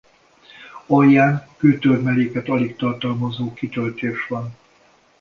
Alján kőtörmeléket alig tartalmazó kitöltés van.